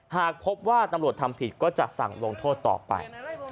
หากพบว่าตำรวจทำผิดก็จะสั่งลงโทษต่อไป